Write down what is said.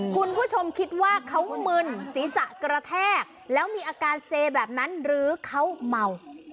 คุณผู้ชมคิดว่าเขามึนศีรษะกระแทกแล้วมีอาการเซแบบนั้นหรือเขาเมา